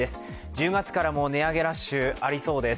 １０月からも値上げラッシュ、ありそうです。